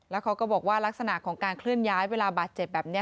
แล้วเขาก็บอกว่าลักษณะของการเคลื่อนย้ายเวลาบาดเจ็บแบบนี้